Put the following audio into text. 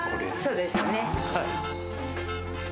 そうですね。